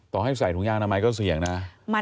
ต่อให้ใส่ถุงยางอนามัยก็เสี่ยงนะ